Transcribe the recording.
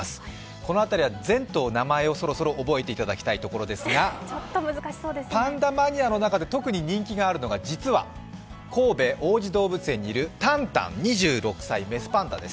この辺りは全頭、名前をそろそろ覚えていただきたいですがパンダマニアの中で特に人気があるのが、実は神戸・王子動物園にいるタンタン２６歳、雌パンダです。